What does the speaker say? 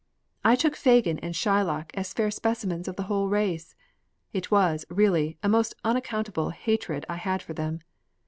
I took Fagin and Shylock as fair specimens of the whole race. It was, really, a most unaccountable hatred I had for them.